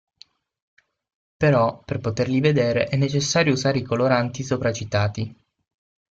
Però per poterli vedere è necessario usare i coloranti sopra citati.